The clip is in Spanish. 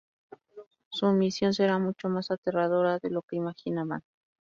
Su misión será mucho más aterradora de lo que imaginaban.